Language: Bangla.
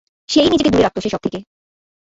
সে-ই নিজেকে দূরে রাখত সেসব থেকে।